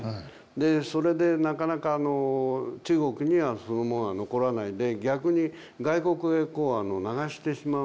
でそれでなかなか中国にはそのままは残らないで逆に外国へ流してしまうんで。